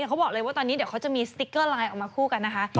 เขาบอกเลยว่าตอนนี้เดี๋ยวเขาจะมีสติ๊กเกอร์ไลน์ออกมาคู่กันนะคะ